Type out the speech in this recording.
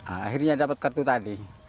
akhirnya dapat kartu tani